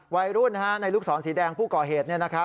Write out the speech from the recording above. วัยรุ่นในลูกศรสีแดงผู้ก่อเหตุ